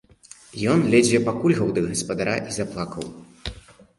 Ён ледзьве падкульгаў да гаспадара і заплакаў.